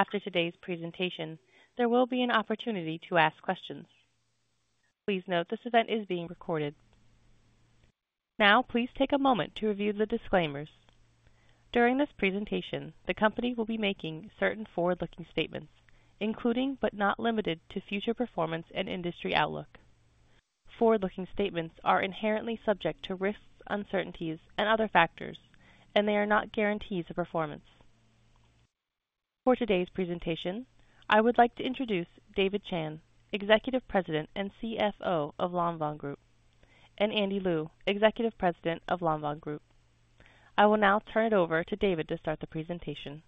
After today's presentation, there will be an opportunity to ask questions. Please note this event is being recorded. Now, please take a moment to review the disclaimers. During this presentation, the company will be making certain forward-looking statements, including but not limited to future performance and industry outlook. Forward-looking statements are inherently subject to risks, uncertainties, and other factors, and they are not guarantees of performance. For today's presentation, I would like to introduce David Chan, Executive President and CFO of Lanvin Group, and Andy Lew, Executive President of Lanvin Group. I will now turn it over to David to start the presentation.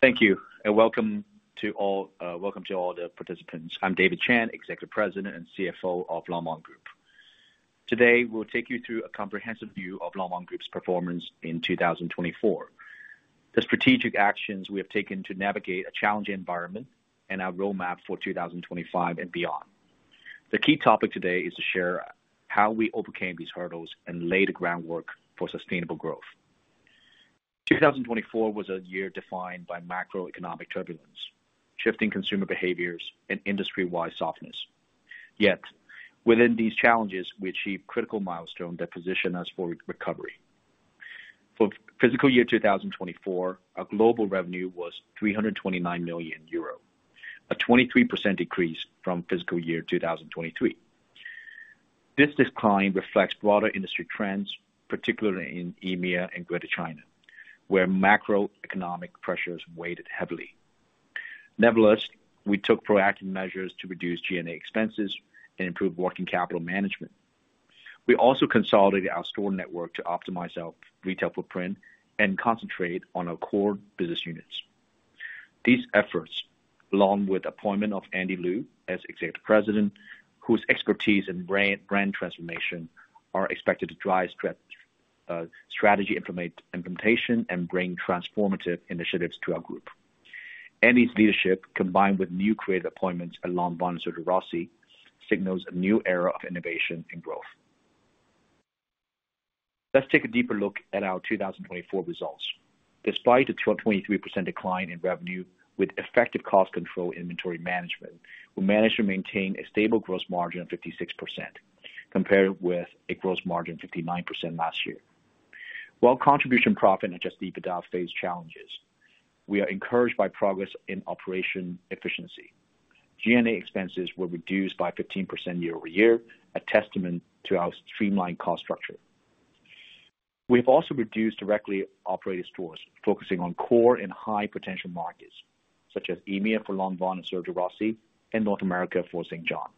Thank you, and welcome to all the participants. I'm David Chan, Executive President and CFO of Lanvin Group. Today, we'll take you through a comprehensive view of Lanvin Group's performance in 2024, the strategic actions we have taken to navigate a challenging environment, and our roadmap for 2025 and beyond. The key topic today is to share how we overcame these hurdles and laid the groundwork for sustainable growth. 2024 was a year defined by macroeconomic turbulence, shifting consumer behaviors, and industry-wide softness. Yet, within these challenges, we achieved critical milestones that position us for recovery. For fiscal year 2024, our global revenue was 329 million euro, a 23% decrease from fiscal year 2023. This decline reflects broader industry trends, particularly in EMEA and Greater China, where macroeconomic pressures weighed heavily. Nevertheless, we took proactive measures to reduce G&A expenses and improve working capital management. We also consolidated our store network to optimize our retail footprint and concentrate on our core business units. These efforts, along with the appointment of Andy Lew as Executive President, whose expertise in brand transformation is expected to drive strategy implementation and bring transformative initiatives to our group. Andy's leadership, combined with new creative appointments at Lanvin and Sergio Rossi, signals a new era of innovation and growth. Let's take a deeper look at our 2024 results. Despite a 23% decline in revenue, with effective cost control and inventory management, we managed to maintain a stable gross margin of 56%, compared with a gross margin of 59% last year. While contribution profit has just deepened our phased challenges, we are encouraged by progress in operation efficiency. G&A expenses were reduced by 15% year over year, a testament to our streamlined cost structure. We have also reduced directly operated stores, focusing on core and high-potential markets, such as EMEA for Lanvin and Sergio Rossi, and North America for St. John.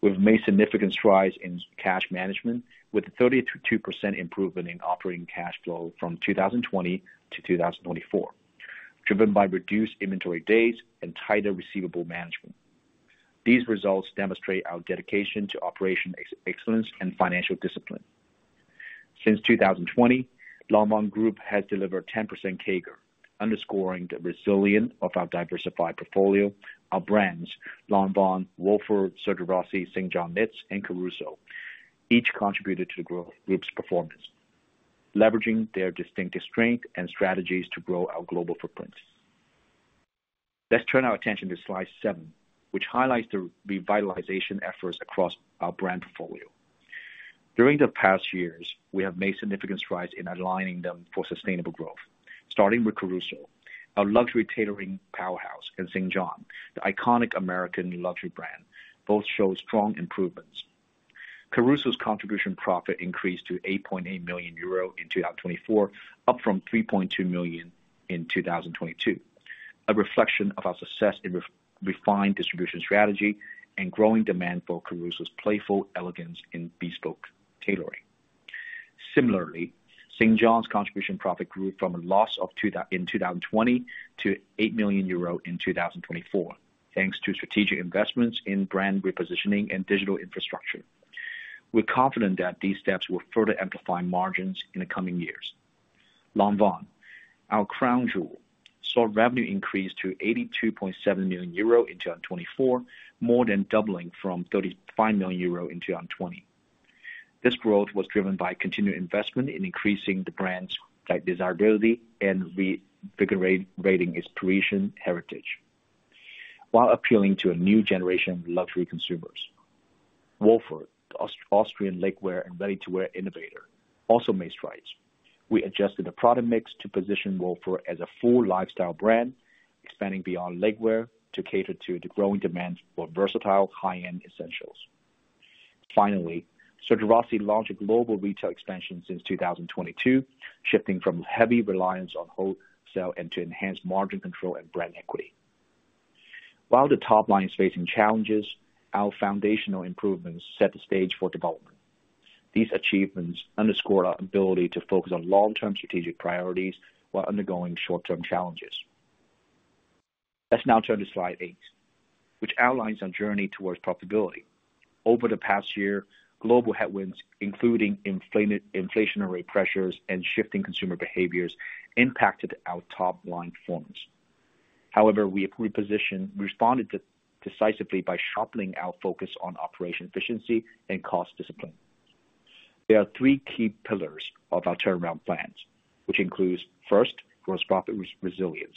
We have made significant strides in cash management, with a 32% improvement in operating cash flow from 2020 to 2024, driven by reduced inventory days and tighter receivable management. These results demonstrate our dedication to operational excellence and financial discipline. Since 2020, Lanvin Group has delivered 10% CAGR, underscoring the resilience of our diversified portfolio. Our brands: Lanvin, Wolford, Sergio Rossi, St. John Knits, and Caruso each contributed to the group's performance, leveraging their distinctive strengths and strategies to grow our global footprint. Let's turn our attention to slide seven, which highlights the revitalization efforts across our brand portfolio. During the past years, we have made significant strides in aligning them for sustainable growth. Starting with Caruso, our luxury tailoring powerhouse, and St. John, the iconic American luxury brand, both show strong improvements. Caruso's contribution profit increased to 8.8 million euro in 2024, up from 3.2 million in 2022, a reflection of our success in refined distribution strategy and growing demand for Caruso's playful elegance in bespoke tailoring. Similarly, St. John's contribution profit grew from a loss in 2020 to 8 million euros in 2024, thanks to strategic investments in brand repositioning and digital infrastructure. We're confident that these steps will further amplify margins in the coming years. Lanvin, our crown jewel, saw revenue increase to 82.7 million euro in 2024, more than doubling from 35 million euro in 2020. This growth was driven by continued investment in increasing the brand's desirability and reinvigorating its Parisian heritage, while appealing to a new generation of luxury consumers. Wolford, the Austrian legwear and ready-to-wear innovator, also made strides. We adjusted the product mix to position Wolford as a full lifestyle brand, expanding beyond legwear to cater to the growing demand for versatile high-end essentials. Finally, Sergio Rossi launched a global retail expansion since 2022, shifting from heavy reliance on wholesale into enhanced margin control and brand equity. While the top line is facing challenges, our foundational improvements set the stage for development. These achievements underscore our ability to focus on long-term strategic priorities while undergoing short-term challenges. Let's now turn to slide eight, which outlines our journey towards profitability. Over the past year, global headwinds, including inflationary pressures and shifting consumer behaviors, impacted our top line performance. However, we have repositioned and responded decisively by sharpening our focus on operation efficiency and cost discipline. There are three key pillars of our turnaround plans, which includes, first, gross profit resilience.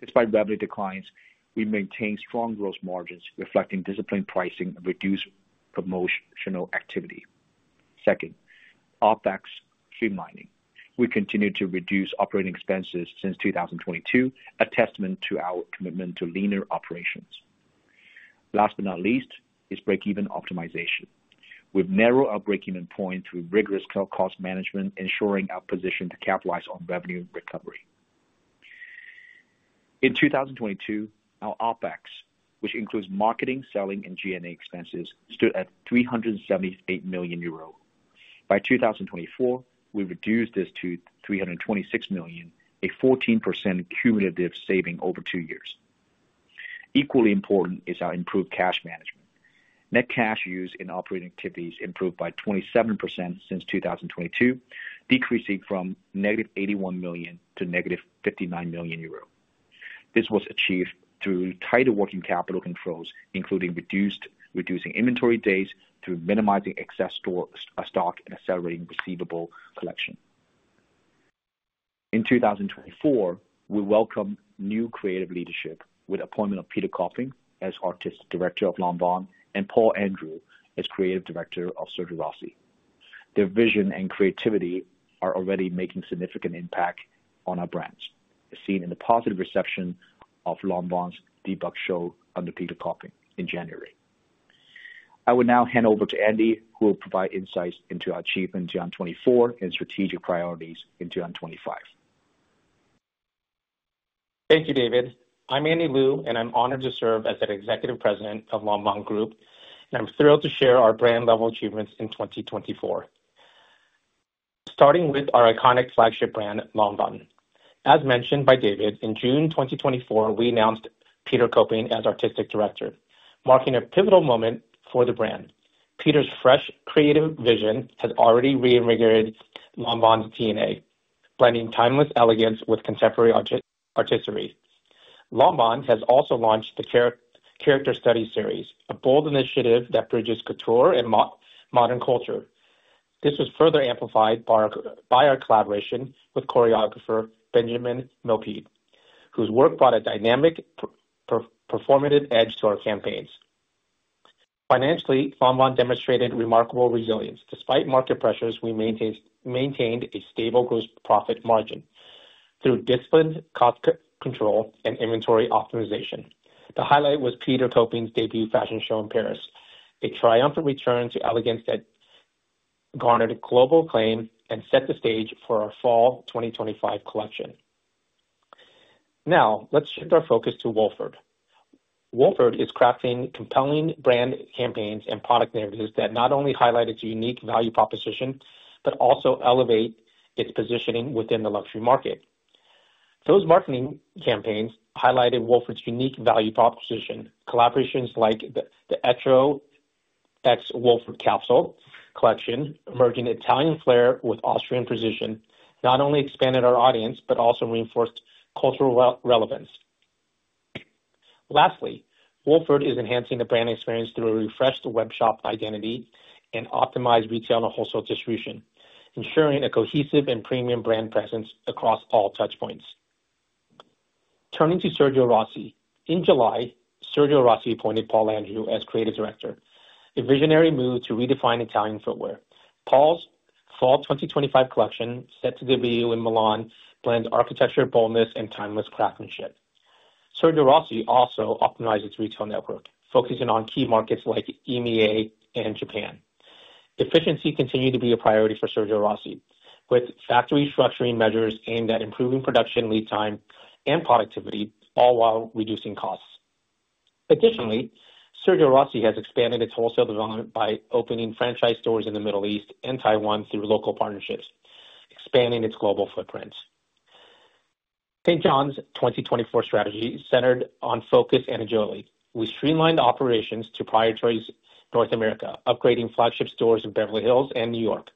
Despite revenue declines, we maintain strong gross margins, reflecting disciplined pricing and reduced promotional activity. Second, OpEx streamlining. We continue to reduce operating expenses since 2022, a testament to our commitment to leaner operations. Last but not least is break-even optimization. We've narrowed our break-even point through rigorous cost management, ensuring our position to capitalize on revenue recovery. In 2022, our OpEx, which includes marketing, selling, and G&A expenses, stood at 378 million euro. By 2024, we reduced this to 326 million, a 14% cumulative saving over two years. Equally important is our improved cash management. Net cash used in operating activities improved by 27% since 2022, decreasing from -81 million to -59 million euro. This was achieved through tighter working capital controls, including reducing inventory days through minimizing excess store stock and accelerating receivable collection. In 2024, we welcome new creative leadership with the appointment of Peter Kopping as Artistic Director of Lanvin and Paul Andrew as Creative Director of Sergio Rossi. Their vision and creativity are already making a significant impact on our brands, as seen in the positive reception of Lanvin's debut show under Peter Kopping in January. I will now hand over to Andy, who will provide insights into our achievements in 2024 and strategic priorities in 2025. Thank you, David. I'm Andy Lew, and I'm honored to serve as an Executive President of Lanvin Group, and I'm thrilled to share our brand-level achievements in 2024, starting with our iconic flagship brand, Lanvin. As mentioned by David, in June 2024, we announced Peter Kopping as Artistic Director, marking a pivotal moment for the brand. Peter's fresh creative vision has already reinvigorated Lanvin's DNA, blending timeless elegance with contemporary artistry. Lanvin has also launched the Character Studies series, a bold initiative that bridges couture and modern culture. This was further amplified by our collaboration with choreographer Benjamin Millepied, whose work brought a dynamic, performative edge to our campaigns. Financially, Lanvin demonstrated remarkable resilience. Despite market pressures, we maintained a stable gross profit margin through disciplined cost control and inventory optimization. The highlight was Peter Kopping's debut fashion show in Paris, a triumphant return to elegance that garnered global acclaim and set the stage for our Fall 2025 collection. Now, let's shift our focus to Wolford. Wolford is crafting compelling brand campaigns and product narratives that not only highlight its unique value proposition but also elevate its positioning within the luxury market. Those marketing campaigns highlighted Wolford's unique value proposition. Collaborations like the Etro x Wolford Capsule Collection, merging Italian flair with Austrian precision, not only expanded our audience but also reinforced cultural relevance. Lastly, Wolford is enhancing the brand experience through a refreshed web shop identity and optimized retail and wholesale distribution, ensuring a cohesive and premium brand presence across all touchpoints. Turning to Sergio Rossi, in July, Sergio Rossi appointed Paul Andrew as Creative Director, a visionary move to redefine Italian footwear. Paul's Fall 2025 collection, set to debut in Milan, blends architecture boldness and timeless craftsmanship. Sergio Rossi also optimized its retail network, focusing on key markets like EMEA and Japan. Efficiency continued to be a priority for Sergio Rossi, with factory structuring measures aimed at improving production lead time and productivity, all while reducing costs. Additionally, Sergio Rossi has expanded its wholesale development by opening franchise stores in the Middle East and Taiwan through local partnerships, expanding its global footprint. St. John's 2024 strategy centered on focus and agility. We streamlined operations to proprietary North America, upgrading flagship stores in Beverly Hills and New York.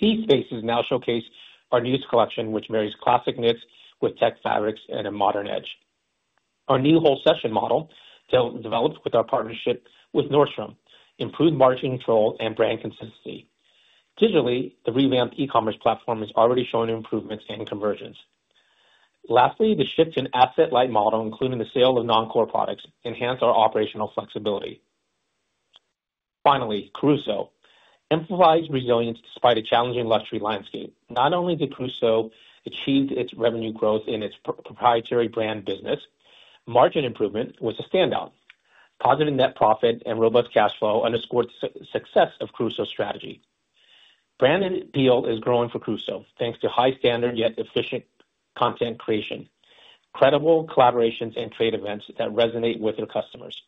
These spaces now showcase our newest collection, which marries classic knits with tech fabrics and a modern edge. Our new wholesale model, developed with our partnership with Nordstrom, improved marketing control and brand consistency. Digitally, the revamped e-commerce platform has already shown improvements in conversions. Lastly, the shift to an asset-light model, including the sale of non-core products, enhanced our operational flexibility. Finally, Caruso emphasized resilience despite a challenging luxury landscape. Not only did Caruso achieve its revenue growth in its proprietary brand business, margin improvement was a standout. Positive net profit and robust cash flow underscored the success of Caruso's strategy. Brand appeal is growing for Caruso, thanks to high-standard yet efficient content creation, credible collaborations, and trade events that resonate with their customers.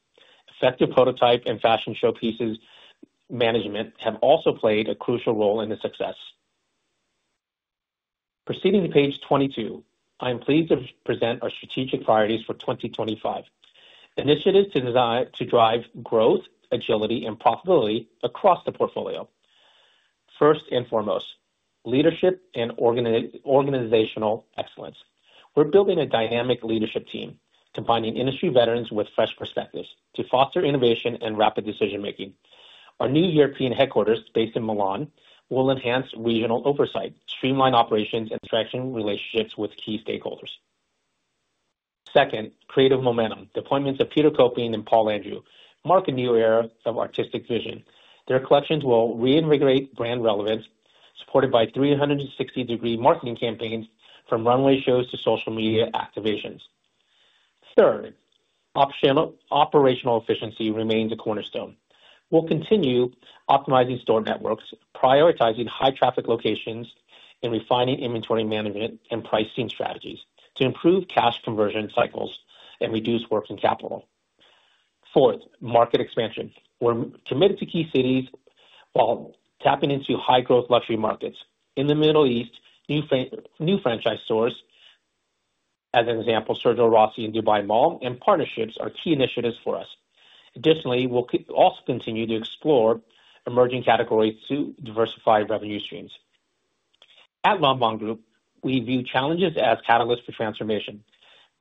Effective prototype and fashion show pieces management have also played a crucial role in the success. Proceeding to page 22, I am pleased to present our strategic priorities for 2025: initiatives to drive growth, agility, and profitability across the portfolio. First and foremost, leadership and organizational excellence. We're building a dynamic leadership team, combining industry veterans with fresh perspectives to foster innovation and rapid decision-making. Our new European headquarters, based in Milan, will enhance regional oversight, streamline operations, and strengthen relationships with key stakeholders. Second, creative momentum. The appointments of Peter Kopping and Paul Andrew mark a new era of artistic vision. Their collections will reinvigorate brand relevance, supported by 360-degree marketing campaigns from runway shows to social media activations. Third, operational efficiency remains a cornerstone. We'll continue optimizing store networks, prioritizing high-traffic locations, and refining inventory management and pricing strategies to improve cash conversion cycles and reduce working capital. Fourth, market expansion. We're committed to key cities while tapping into high-growth luxury markets. In the Middle East, new franchise stores, as an example, Sergio Rossi and Dubai Mall, and partnerships are key initiatives for us. Additionally, we'll also continue to explore emerging categories to diversify revenue streams. At Lanvin Group, we view challenges as catalysts for transformation.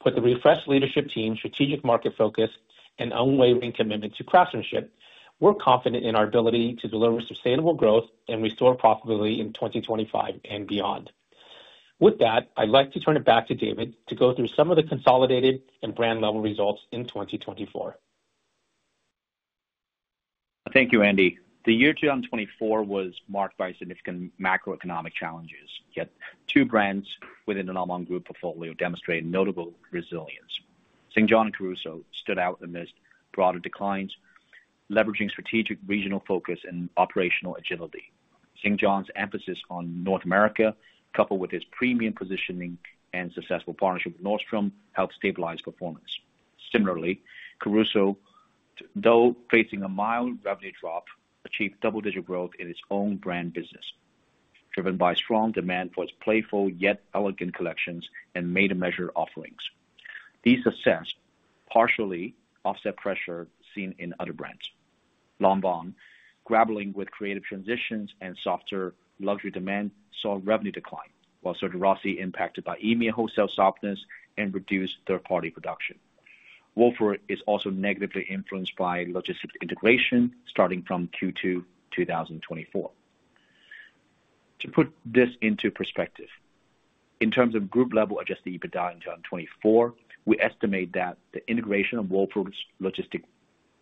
With the refreshed leadership team, strategic market focus, and unwavering commitment to craftsmanship, we're confident in our ability to deliver sustainable growth and restore profitability in 2025 and beyond. With that, I'd like to turn it back to David to go through some of the consolidated and brand-level results in 2024. Thank you, Andy. The year 2024 was marked by significant macroeconomic challenges, yet two brands within the Lanvin Group portfolio demonstrated notable resilience. St. John and Caruso stood out amidst broader declines, leveraging strategic regional focus and operational agility. St. John's emphasis on North America, coupled with its premium positioning and successful partnership with Nordstrom, helped stabilize performance. Similarly, Caruso, though facing a mild revenue drop, achieved double-digit growth in its own brand business, driven by strong demand for its playful yet elegant collections and made-to-measure offerings. These successes partially offset pressure seen in other brands. Lanvin, grappling with creative transitions and softer luxury demand, saw revenue decline, while Sergio Rossi was impacted by EMEA wholesale softness and reduced third-party production. Wolford is also negatively influenced by logistics integration starting from Q2 2024. To put this into perspective, in terms of group-level adjusted EBITDA in 2024, we estimate that the integration of Wolford's logistics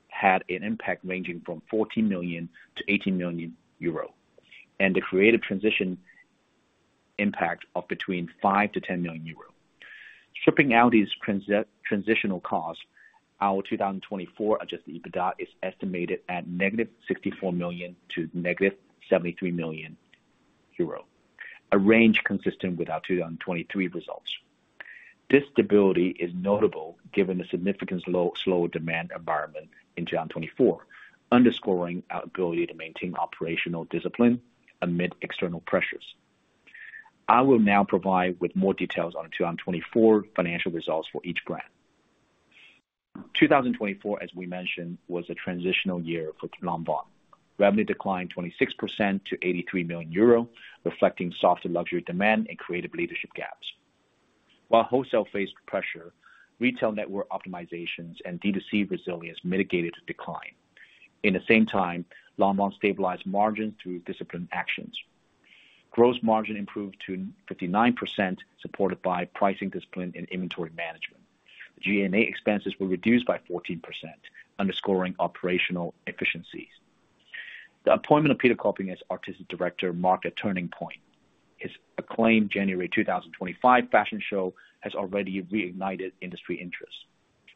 had an impact ranging from 14 million-18 million euro and the creative transition impact of between 5 million-10 million euro. Stripping out these transitional costs, our 2024 adjusted EBITDA is estimated at -64 million to -73 million euro, a range consistent with our 2023 results. This stability is notable given the significantly slower demand environment in 2024, underscoring our ability to maintain operational discipline amid external pressures. I will now provide with more details on the 2024 financial results for each brand. 2024, as we mentioned, was a transitional year for Lanvin. Revenue declined 26% to 83 million euro, reflecting softer luxury demand and creative leadership gaps. While wholesale faced pressure, retail network optimizations and D2C resilience mitigated decline. In the same time, Lanvin stabilized margins through disciplined actions. Gross margin improved to 59%, supported by pricing discipline and inventory management. G&A expenses were reduced by 14%, underscoring operational efficiencies. The appointment of Peter Kopping as Artistic Director marked a turning point. His acclaimed January 2025 fashion show has already reignited industry interest,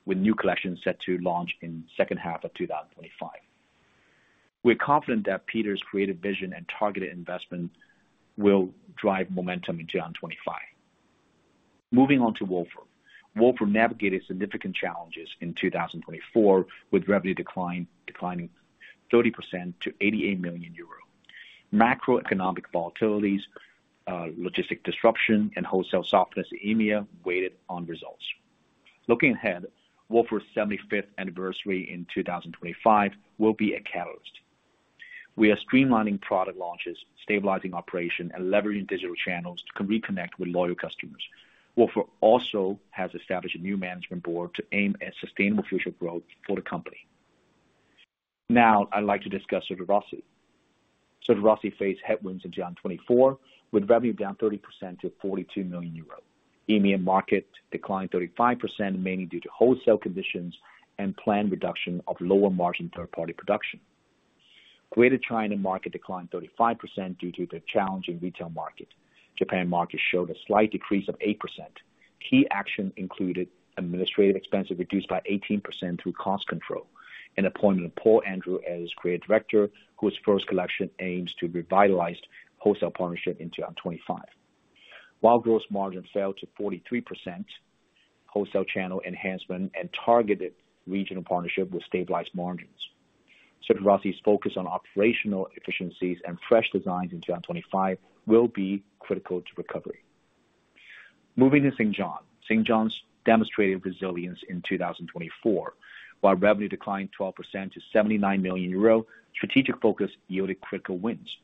with new collections set to launch in the second half of 2025. We're confident that Peter's creative vision and targeted investment will drive momentum in 2025. Moving on to Wolford, Wolford navigated significant challenges in 2024, with revenue declining 30% to 88 million euro. Macroeconomic volatilities, logistic disruption, and wholesale softness in EMEA weighed on results. Looking ahead, Wolford's 75th anniversary in 2025 will be a catalyst. We are streamlining product launches, stabilizing operations, and leveraging digital channels to reconnect with loyal customers. Wolford also has established a new management board to aim at sustainable future growth for the company. Now, I'd like to discuss Sergio Rossi. Sergio Rossi faced headwinds in 2024, with revenue down 30% to 42 million euros. EMEA market declined 35%, mainly due to wholesale conditions and planned reduction of lower margin third-party production. Greater China market declined 35% due to the challenging retail market. Japan market showed a slight decrease of 8%. Key actions included administrative expenses reduced by 18% through cost control, and appointment of Paul Andrew as Creative Director, whose first collection aims to revitalize wholesale partnership in 2025. While gross margin fell to 43%, wholesale channel enhancement and targeted regional partnership will stabilize margins. Sergio Rossi's focus on operational efficiencies and fresh designs in 2025 will be critical to recovery. Moving to St. John, St. John demonstrated resilience in 2024. While revenue declined 12% to 79 million euro, strategic focus yielded critical wins.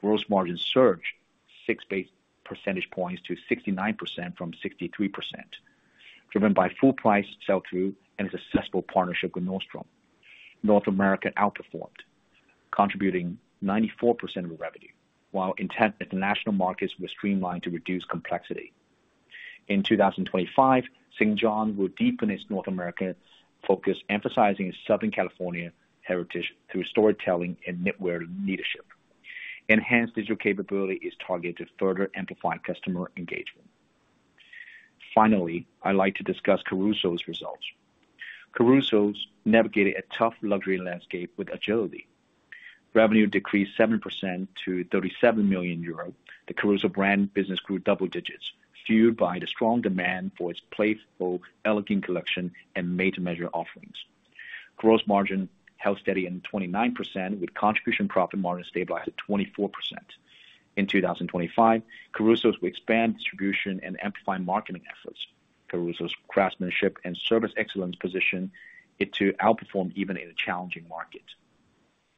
Gross margin surged 6 percentage points to 69% from 63%, driven by full-price sell-through and its accessible partnership with Nordstrom. North America outperformed, contributing 94% of revenue, while intent at the national markets was streamlined to reduce complexity. In 2025, St. John will deepen its North America focus, emphasizing its Southern California heritage through storytelling and knitwear leadership. Enhanced digital capability is targeted to further amplify customer engagement. Finally, I'd like to discuss Caruso's results. Caruso navigated a tough luxury landscape with agility. Revenue decreased 7% to 37 million euro. The Caruso brand business grew double digits, fueled by the strong demand for its playful, elegant collection and made-to-measure offerings. Gross margin held steady at 29%, with contribution profit margin stabilized at 24%. In 2025, Caruso will expand distribution and amplify marketing efforts. Caruso's craftsmanship and service excellence position it to outperform even in a challenging market.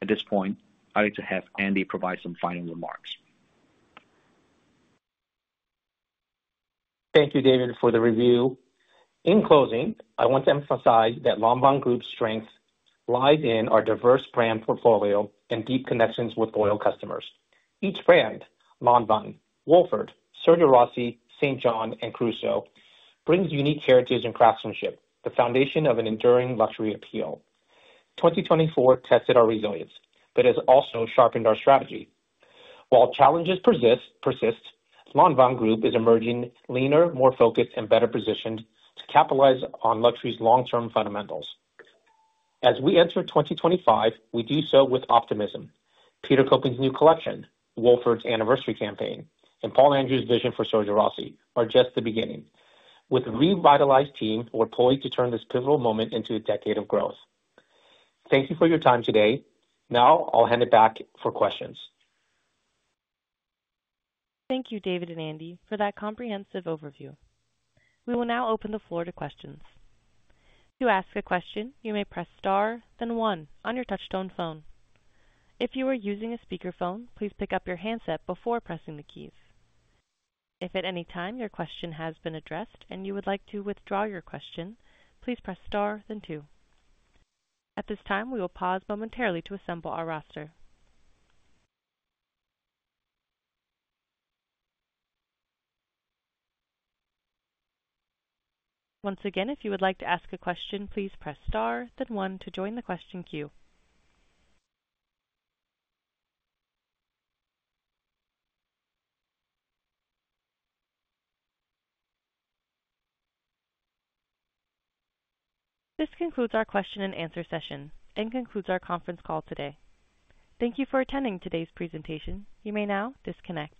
At this point, I'd like to have Andy provide some final remarks. Thank you, David, for the review. In closing, I want to emphasize that Lanvin Group's strength lies in our diverse brand portfolio and deep connections with loyal customers. Each brand—Lanvin, Wolford, Sergio Rossi, St. John, and Caruso—brings unique heritage and craftsmanship, the foundation of an enduring luxury appeal. 2024 tested our resilience, but it has also sharpened our strategy. While challenges persist, Lanvin Group is emerging leaner, more focused, and better positioned to capitalize on luxury's long-term fundamentals. As we enter 2025, we do so with optimism. Peter Kopping's new collection, Wolford's anniversary campaign, and Paul Andrew's vision for Sergio Rossi are just the beginning. With a revitalized team, we're poised to turn this pivotal moment into a decade of growth. Thank you for your time today. Now, I'll hand it back for questions. Thank you, David and Andy, for that comprehensive overview. We will now open the floor to questions. To ask a question, you may press star, then one on your touchstone phone. If you are using a speakerphone, please pick up your handset before pressing the keys. If at any time your question has been addressed and you would like to withdraw your question, please press star, then two. At this time, we will pause momentarily to assemble our roster. Once again, if you would like to ask a question, please press star, then one to join the question queue. This concludes our question-and-answer session and concludes our conference call today. Thank you for attending today's presentation. You may now disconnect.